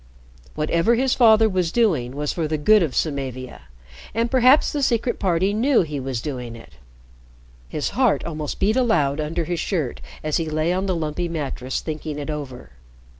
Whatever his father was doing was for the good of Samavia, and perhaps the Secret Party knew he was doing it. His heart almost beat aloud under his shirt as he lay on the lumpy mattress thinking it over.